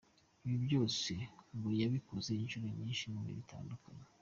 Ibi byose, ngo yabibakoze inshuro nyinshi mu bihe bitandukanye.